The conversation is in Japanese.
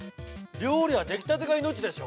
料理はできたてが命でしょ。